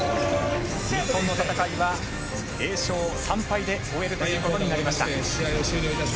日本の戦いは０勝３敗で終えるということになりました。